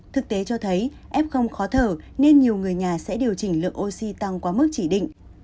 thực tế cho thấy f khó thở nên nhiều người nhà sẽ điều chỉnh lượng oxy tăng quá mức chỉ định